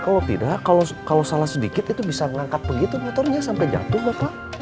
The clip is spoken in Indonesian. kalau tidak kalau salah sedikit itu bisa mengangkat begitu motornya sampai jatuh bapak